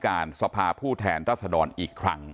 การสืบทอดอำนาจของขอสอชอและยังพร้อมจะเป็นนายกรัฐมนตรี